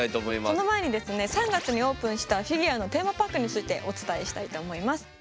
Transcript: その前にですね３月にオープンしたフィギュアのテーマパークについてお伝えしたいと思います。